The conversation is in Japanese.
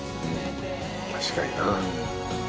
確かにな。